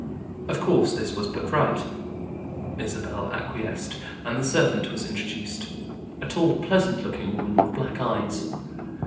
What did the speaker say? Of course this was but right. Isabel acquiesced, and the servant was introduced; a tall, pleasant looking woman, with black eyes.